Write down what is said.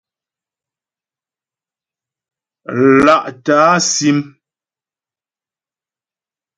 Lá'tə̀ á sim.